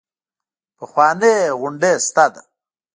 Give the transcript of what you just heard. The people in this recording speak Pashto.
پخوانۍ غونډۍ شته ده.